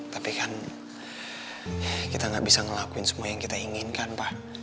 tapi kan kita gak bisa ngelakuin semua yang kita inginkan pak